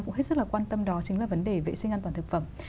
cũng hết sức là quan tâm đó chính là vấn đề vệ sinh an toàn thực phẩm